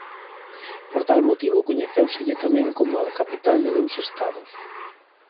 Por tal motivo coñecéuselle tamén como a capital de dous Estados.